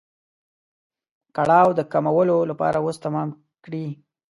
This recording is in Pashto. کړاو د کمولو لپاره وس تمام کړي.